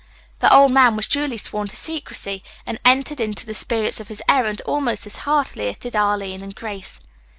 The old man was duly sworn to secrecy and entered into the spirit of his errand almost as heartily as did Arline and Grace.